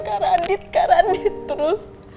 kak radit kak radit terus